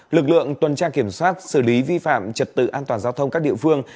lực lượng tuần tra kiểm soát xử lý vi phạm trật tự an toàn giao thông các địa phương